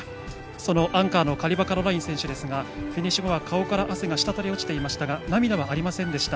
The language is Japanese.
そのアンカーのカリバ・カロライン選手ですがフィニッシュ後は顔から汗が滴り落ちていましたが涙はありませんでした。